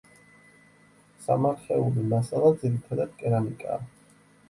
სამარხეული მასალა ძირითადად კერამიკაა.